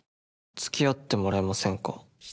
付き合ってもらえませんか？